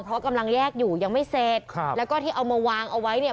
เพราะกำลังแยกอยู่ยังไม่เสร็จครับแล้วก็ที่เอามาวางเอาไว้เนี่ย